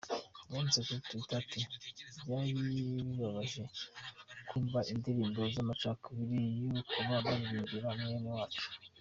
Yanditse kuri Twitter ati: "Vyari bibabaje kwumva indirimbo z'amacakubiri y'urukoba baririmbira mwenewacu.